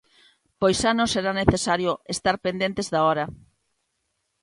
Pois xa non será necesario estar pendentes da hora.